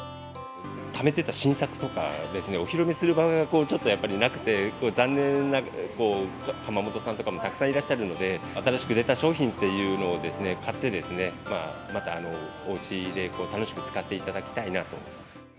ためてた新作とかですね、お披露目する場がちょっとなくて、残念な窯元さんとかもたくさんいらっしゃるので、新しく出た商品っていうのをですね、買って、またおうちで楽しく使っていただきたいなと。